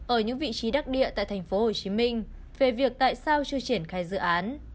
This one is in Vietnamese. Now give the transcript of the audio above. ở những vị trí đắc địa tại tp hcm về việc tại sao chưa triển khai dự án